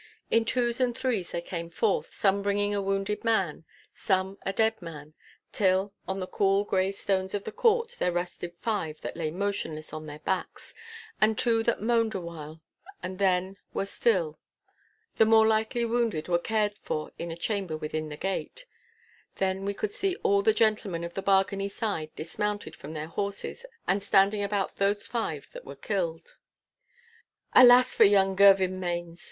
In twos and threes they came forth, some bringing a wounded man, some a dead man, till, on the cool, grey stones of the court, there rested five that lay motionless on their backs, and two that moaned a while and then were still. The more lightly wounded were cared for in a chamber within the gate. Then we could see all the gentlemen of the Bargany side dismounted from their horses and standing about those five that were killed. 'Alas for young Girvanmains!